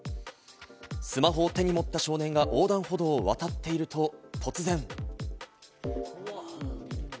スマホを手に持った少年が横断歩道を渡っていると突然。